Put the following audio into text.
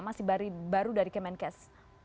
masih baru dari kemenkes